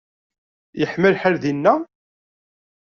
Yeḥma lḥal dinna?